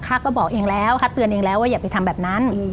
ก็บอกเองแล้วข้าเตือนเองแล้วว่าอย่าไปทำแบบนั้น